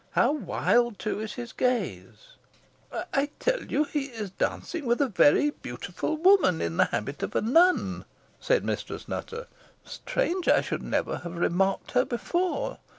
How wild, too, is his gaze!" "I tell you he is dancing with a very beautiful woman in the habit of a nun," said Mistress Nutter. "Strange I should never have remarked her before.